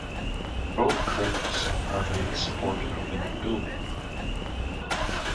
Both crypts are the support of the new building.